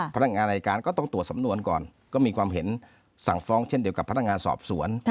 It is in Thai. พนักงานรายการก็ต้องตรวจสำนวนก่อนก็มีความเห็นสั่งฟ้องเช่นเดียวกับพนักงานสอบสวน